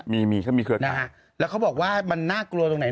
มีมีเขามีเครือนะฮะแล้วเขาบอกว่ามันน่ากลัวตรงไหน